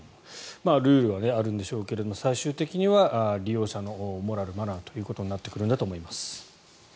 ルールはあるんでしょうが最終的には利用者のモラル、マナーということになってくるんだと思います。